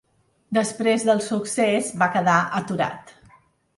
Després del succés va quedar aturat.